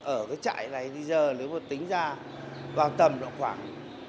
ở cái chạy này bây giờ nếu mà tính ra vào tầm là khoảng